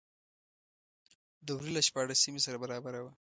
د وري له شپاړلسمې سره برابره وه.